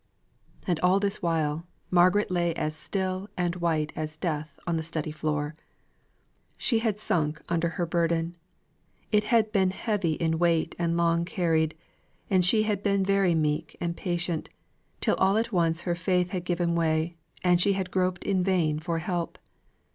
And all this while, Margaret lay as still and white as death on the study floor! She had sunk under her burden. It had been heavy in weight and long carried; and she had been very meek and patient, till all at once her faith had given way, and she had groped in vain for help!